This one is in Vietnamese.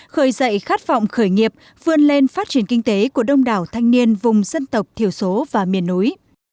khởi dậy khát vọng khởi nghiệp vươn lên phát triển kinh tế của đông đảo thanh niên vùng dân tộc thiểu số và miền núi